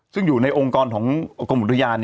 ซึ่งอยู่ในองค์กรของกรมอุทยาน